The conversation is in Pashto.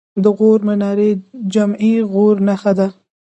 د غور منارې جمعې د غوري نښه ده